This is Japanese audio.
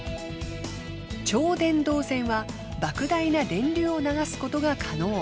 超電導線は莫大な電流を流すことが可能。